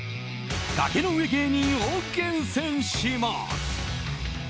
崖の上芸人を厳選します。